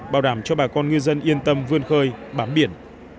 bảo đảm cho bà con ngư dân yên tâm vươn khơi bám biển